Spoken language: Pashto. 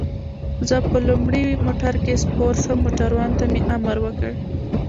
زه په لومړي موټر کې سپور شوم، موټروان ته مې امر وکړ.